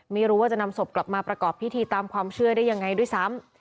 ไม่รู้ว่าจะนำศพกลับมาประกอบพิธีตามความเชื่อได้ยังไงด้วยซ้ำ